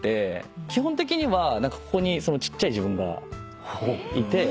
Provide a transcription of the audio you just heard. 基本的にはここにちっちゃい自分がいて。